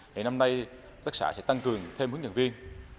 thì năm nay hợp tác xã sẽ tăng cường thêm hướng nhận viên